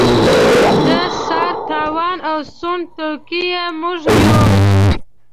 د سر تاوان او سوند توکي یې موږ یو.